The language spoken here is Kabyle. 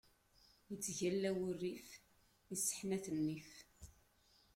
Ittgalla wurif, isseḥnat nnif.